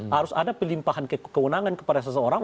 harus ada pelimpahan kewenangan kepada seseorang